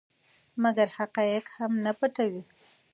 مګر حقایق هم نه پټوي.